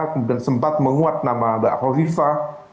kemudian sempat menguat nama mbak khofifah